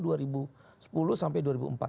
dua ribu sepuluh sampai dua ribu empat belas